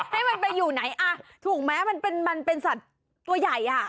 ให้มันไปอยู่ไหนอ่ะถูกไหมมันเป็นสัตว์ตัวใหญ่อ่ะ